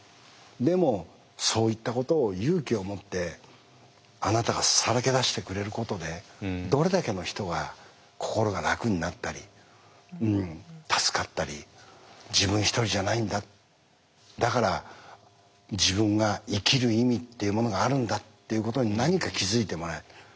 でもそういったことを勇気を持ってあなたがさらけ出してくれることでどれだけの人が心が楽になったり助かったり自分一人じゃないんだだから自分が生きる意味っていうものがあるんだっていうことに何か気付いてもらえる。